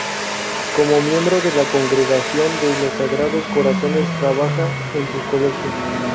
Cómo miembro de la Congregación de los Sagrados Corazones trabaja en sus colegios.